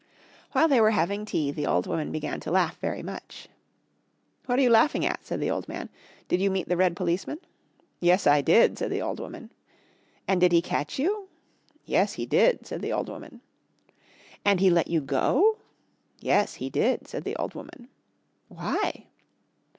While they were having tea the old woman began to laugh very much. "What are you laughing at?" said the old man. "Did you meet the red policeman?" "Yes, I did," said the old woman. "And did he catch you?" "Yes, he did," said the old woman. "And he let you go?" "Yes, he did," said the old woman. "Why?"